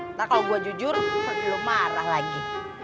ntar kalau gue jujur pasti lu marah lagi